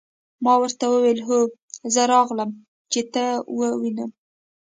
ما ورته وویل: هو زه راغلم، چې ته ووینم.